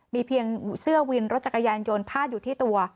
มีเพียงเสื้อวินรถจักรยานยนต์พาดอยู่ที่ตัว